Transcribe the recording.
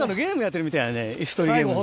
椅子取りゲーム。